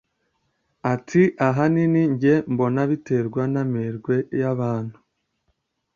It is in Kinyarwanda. ati ahanini njye mbona biterwa n'amerwe y'abantu